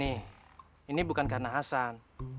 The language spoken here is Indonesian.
ini karena hassan